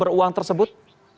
untuk apa yang tersebut